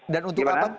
dan untuk apa